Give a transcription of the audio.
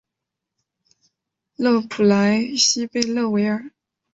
勒普莱西贝勒维尔。